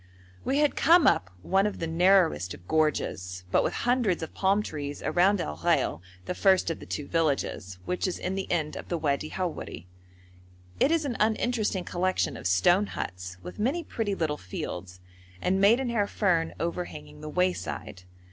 We had come up one of the narrowest of gorges, but with hundreds of palm trees around Al Ghail, the first of the two villages, which is in the end of the Wadi Howeri. It is an uninteresting collection of stone huts, with many pretty little fields, and maidenhair fern overhanging the wayside.